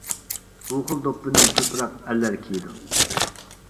بۇ خىل دوپپىنى كۆپرەك ئەرلەر كىيىدۇ.